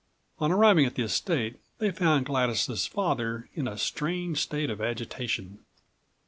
On arriving at the estate they found Gladys' father in a strange state of agitation.